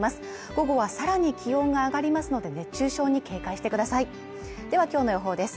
午後はさらに気温が上がりますので熱中症に警戒してくださいではきょうの予報です